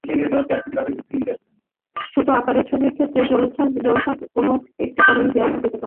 ছোট আকারের ছবির ক্ষেত্রে জলছাপ কোনো একটি কোণে দেওয়া যেতে পারে।